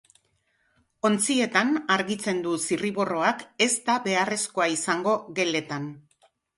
Ontzietan, argitzen du zirriborroak, ez da beharrezkoa izango geletan.